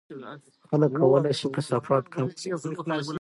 خلک کولای شي کثافات کم کړي.